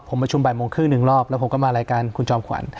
ผมประชุมบ่ายโมงครึ่งหนึ่งรอบแล้วผมก็มารายการคุณจอมขวัญ